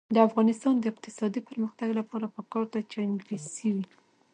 د افغانستان د اقتصادي پرمختګ لپاره پکار ده چې انګلیسي وي.